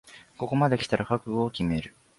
ここまできたら覚悟を決める